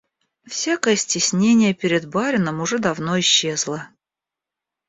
Всякое стеснение перед барином уже давно исчезло.